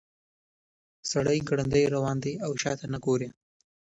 سړی ګړندی روان دی او شاته نه ګوري.